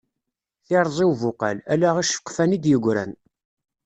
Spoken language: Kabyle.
Tirẓi ubuqal, ala iceqfan i d-yegran.